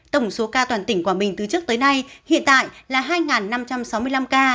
tổng số ca toàn tỉnh quảng bình từ trước tới nay hiện tại là hai năm trăm sáu mươi năm ca